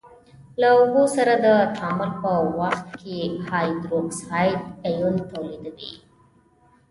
له اوبو سره د تعامل په وخت کې هایدروکساید آیون تولیدوي.